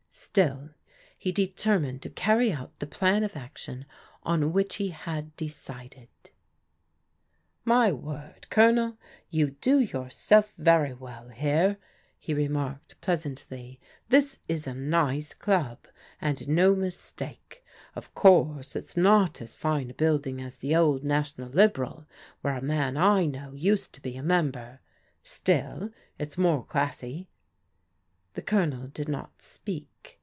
Still he determined to carry out the plan oi action on which he had decided. 96 PRODIGAL DAUGHTEBS My word. Colonel, you do 3rourself very well here," he remarked pleasantly. ''This is a nice club, and no mistake. Of course it's not as fine a building as the old National Liberal, where a man I know used to be a mem ber; still it's more classy. The Colonel did not speak.